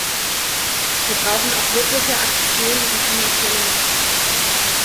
Wir brauchen auch wirkliche Aktionen und finanzielle Mittel.